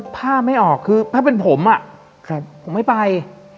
ถ้าเป็นผมรู้ผมไม่ไป